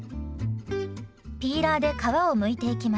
ピーラーで皮をむいていきます。